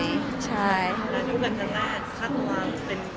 เป็นคู่หรือว่าตัวเอง